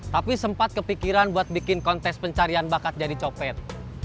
tapi sempat kepikiran buat bikin kontes pencarian bakat jadi copet